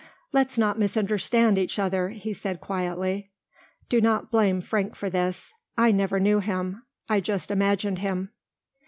"Let's not misunderstand each other," he said quietly, "do not blame Frank for this. I never knew him. I just imagined him."